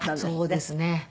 そうですね。